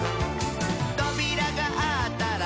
「とびらがあったら」